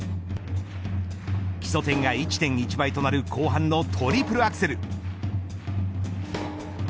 基礎点が１．１倍となる後半のトリプルアクセル。